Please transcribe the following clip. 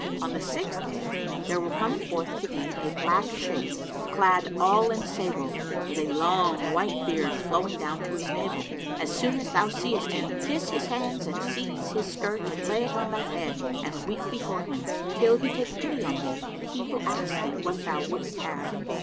On the sixth day there will come forth to thee a black Shaykh, clad all in sable, with a long white beard, flowing down to his navel. As soon as thou seest him, kiss his hands and seize his skirt and lay it on thy head and weep before him, till he take pity on thee and he will ask thee what thou wouldst have.